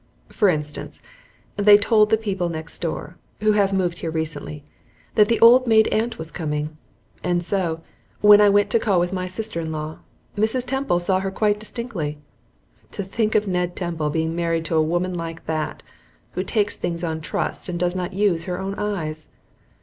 For instance, they told the people next door, who have moved here recently, that the old maid aunt was coming, and so, when I went to call with my sister in law, Mrs. Temple saw her quite distinctly. To think of Ned Temple being married to a woman like that, who takes things on trust and does not use her own eyes!